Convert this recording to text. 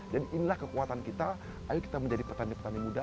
jadi inilah kekuatan kita ayo kita menjadi petani petani muda